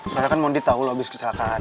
soalnya kan mondi tahu lo habis kecelakaan